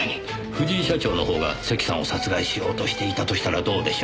藤井社長の方が関さんを殺害しようとしていたとしたらどうでしょう？